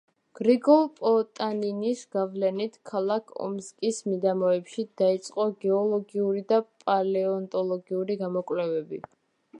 გრიგოლ პოტანინის გავლენით ქალაქ ომსკის მიდამოებში დაიწყო გეოლოგიური და პალეონტოლოგიური გამოკვლევები.